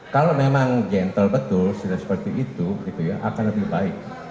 kalau memang gentle betul sudah seperti itu akan lebih baik